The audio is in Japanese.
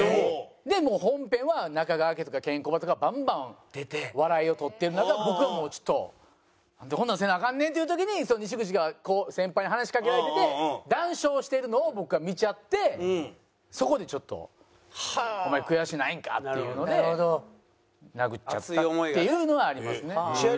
本編は中川家とかケンコバとかバンバン出て笑いを取ってる中僕はもうちょっと「なんでこんなんせなアカンねん」っていう時に西口が先輩に話しかけられてて談笑してるのを僕が見ちゃってそこでちょっと「お前悔しないんか？」っていうので殴っちゃったっていうのはありますね。